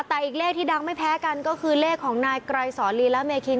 แต่อีกเลขที่ดังไม่แพ้กันก็คือเลขของนายไกรสอนลีและเมคิน